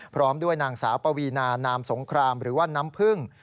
พร้อมด้วยนางสาวปวีนานามสงครามหรือว่าน้ำพึ่ง